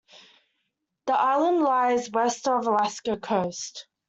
The Island lies west of the Alaska coast.